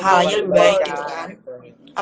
halanya kan lebih baik gitu kan